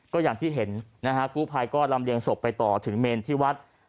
ก็อย่างที่เห็นนะฮะกู้ภัยก็ลำเลียงศพไปต่อถึงเมนที่วัด